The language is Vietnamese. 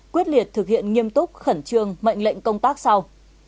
quyết liệt thực hiện nghiêm túc khẩn trương mệnh lệnh công tác sau